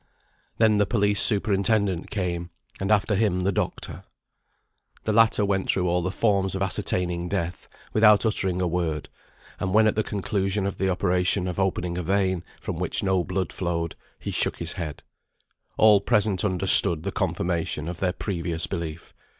Then the police superintendent came, and after him the doctor. The latter went through all the forms of ascertaining death, without uttering a word, and when at the conclusion of the operation of opening a vein, from which no blood flowed, he shook his head, all present understood the confirmation of their previous belief.